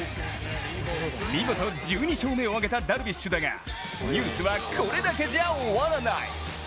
見事１２勝目を挙げたダルビッシュだが、ニュースはこれだけじゃ終わらない。